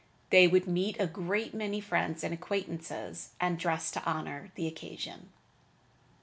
They would meet a great many friends and acquaintances, and dressed to honor the occasion.